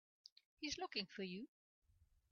He's looking for you.